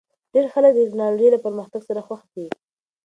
ډېر خلک د ټکنالوژۍ له پرمختګ سره خوښ دي.